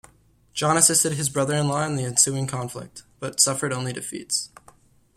John assisted his brother-in-law in the ensuing conflict, but suffered only defeats.